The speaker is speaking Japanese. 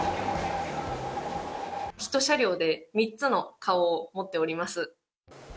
一車両で３つの顔を持っております。